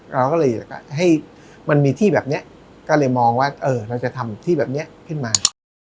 เราก็เลยอยากให้มันมีที่แบบนี้ก็เลยมองว่าเราจะทำที่แบบนี้ขึ้นมา